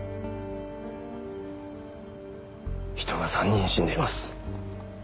人が３人死んでいます